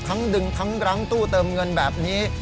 ดึงทั้งรั้งตู้เติมเงินแบบนี้